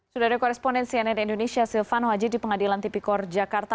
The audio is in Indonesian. sudah ada korespondensi ann indonesia silvano haji di pengadilan tipikor jakarta